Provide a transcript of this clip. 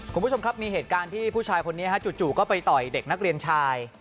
คุณผู้ชมครับมีเหตุการณ์ที่ผู้ชายคนนี้จู่ก็ไปต่อยเด็กนักเรียนชาย